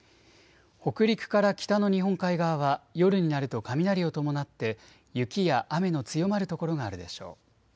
北陸から北の日本海側は夜になると雷を伴って雪や雨の強まる所があるでしょう。